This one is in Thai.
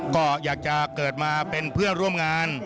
ก็อยากจะเกิดมาเป็นเพื่อนร่วมงาน